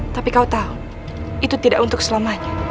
tapi kau tahu itu tidak untuk selamanya